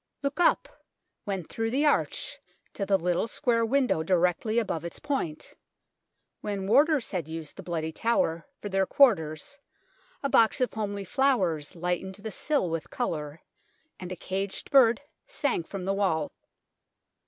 Look up, when through the arch, to the little square window directly above its point. When warders had used the Bloody Tower for their quarters a box of homely flowers lightened the sill with colour, and a caged bird sang from the wall.